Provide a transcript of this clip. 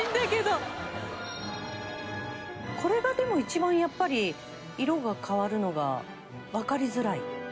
これがでも一番やっぱり色が変わるのがわかりづらい。